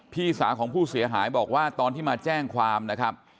พี่สาวของผู้เสียหายบอกว่าตอนที่มาแจ้งความนะครับ